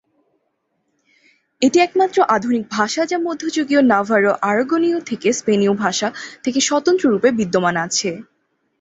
এটি একমাত্র আধুনিক ভাষা যা মধ্যযুগীয় নাভারো-আরাগোনীয় থেকে স্পেনীয় ভাষা থেকে স্বতন্ত্র রূপে বিদ্যমান আছে।